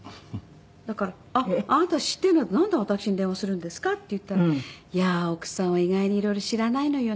だから「あなた知ってるんだったらなんで私に電話するんですか？」って言ったら「いやー奥さんは意外にいろいろ知らないのよね」とか。